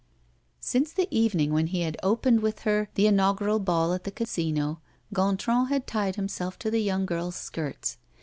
Since the evening when he had opened with her the inaugural ball at the Casino, Gontran had tied himself to the young girl's skirts.